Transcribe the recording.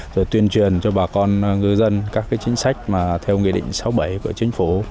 rồi tuyên truyền cho bà con ngư dân các chính sách mà theo nghị định sáu bảy của chính phủ